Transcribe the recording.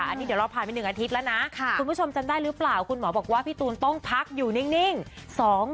อันนี้เดี๋ยวเราผ่านไป๑อาทิตย์แล้วนะคุณผู้ชมจำได้หรือเปล่าคุณหมอบอกว่าพี่ตูนต้องพักอยู่นิ่ง